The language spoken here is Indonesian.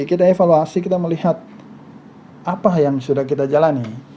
kita evaluasi kita melihat apa yang sudah kita jalani